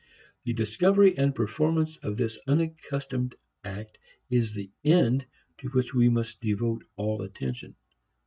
The discovery and performance of this unaccustomed act is the "end" to which we must devote all attention.